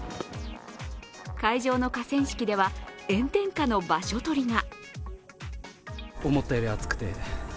会場の河川敷では炎天下の場所取りが。